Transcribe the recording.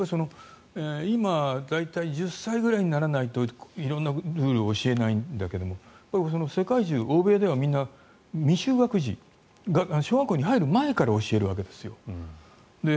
今、大体１０歳ぐらいにならないと色々なルールを教えないんだけど世界中、欧米では皆、未就学児小学校に入る前から教えるわけですよ。